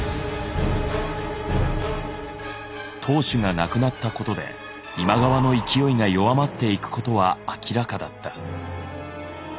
当主が亡くなったことで今川の勢いが弱まっていくことは明らかだった。